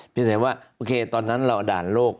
เพียงแต่ว่าโอเคตอนนั้นเราด่านโลก